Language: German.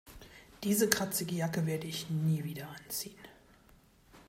Diese kratzige Jacke werde ich nie wieder anziehen.